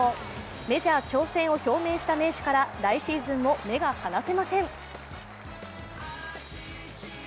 メジャー挑戦を表明した名手から来シーズンも目が離せません。